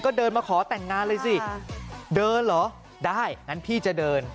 ก็เดินมาขอแต่งงานเลยสิเดินเหรอได้งั้นพี่จะเดิน